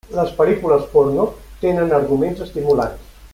Les pel·lícules porno tenen arguments estimulants.